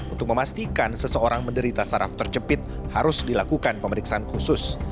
untuk memastikan seseorang menderita saraf terjepit harus dilakukan pemeriksaan khusus